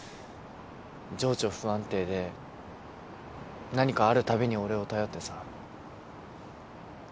情緒不安定で何かあるたびに俺を頼ってさ。